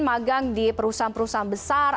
magang di perusahaan perusahaan besar